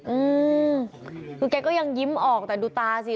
อืมคือแกก็ยังยิ้มออกแต่ดูตาสิ